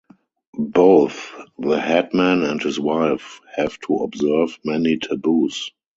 Both the headman and his wife have to observe many taboos.